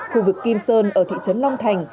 khu vực kim sơn ở thị trấn long thành